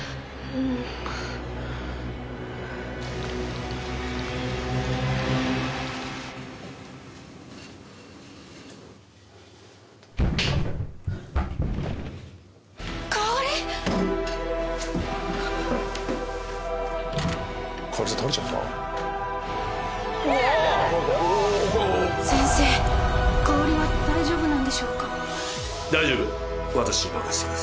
おお先生香織は大丈夫なんでしょうか？